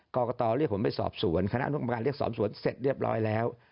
กรกตเรียกผมไปสอบสวนคณะอนุกรรมการเรียกสอบสวนเสร็จเรียบร้อยแล้ว